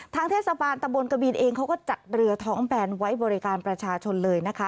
เทศบาลตะบนกบินเองเขาก็จัดเรือท้องแบนไว้บริการประชาชนเลยนะคะ